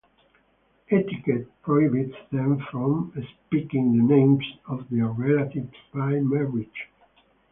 Etiquette prohibits them from speaking the names of their relatives by marriage.